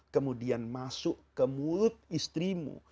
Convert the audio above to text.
kemudian masuk ke mulut istrimu